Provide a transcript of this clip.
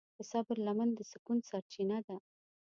د صبر لمن د سکون سرچینه ده.